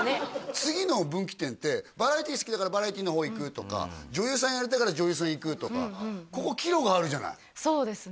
次の分岐点ってバラエティー好きだからバラエティーの方へ行くとか女優さんやりたいから女優さん行くとかここ岐路があるじゃないそうですね